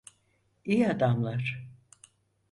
İyi adamlar.